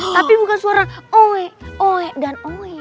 tapi bukan suara oe oe dan oe